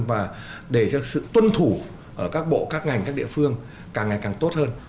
và để cho sự tuân thủ ở các bộ các ngành các địa phương càng ngày càng tốt hơn